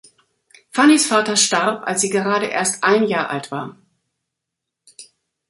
Fannys Vater starb, als sie gerade erst ein Jahr alt war.